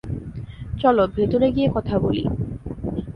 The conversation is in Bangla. চলো, ভেতরে গিয়ে কথা বলি।